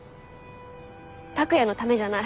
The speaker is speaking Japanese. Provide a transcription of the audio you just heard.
拓哉のためじゃない。